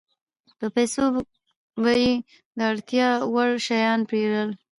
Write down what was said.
په پیسو به یې د اړتیا وړ شیان پېرل